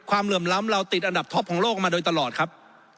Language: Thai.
เหลื่อมล้ำเราติดอันดับท็อปของโลกมาโดยตลอดครับ